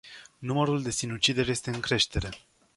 Numărul de sinucideri este în creștere.